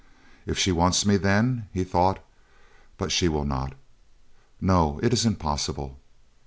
If she wants me then, he thought, but she will not. No, it is impossible.